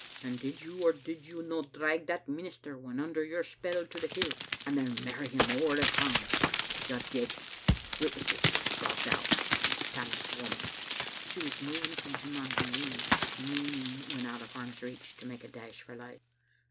And did you, or did you no, drag that minister, when under your spell, to the hill, and there marry him ower the tongs? You did. Witnesses, Rob Dow and Tammas Whamond." She was moving from him on her knees, meaning when out of arm's reach to make a dash for life.